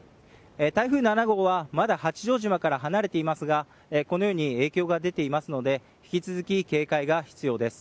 台風７号はまだ八丈島から離れていますがこのように影響が出ていますので引き続き警戒が必要です。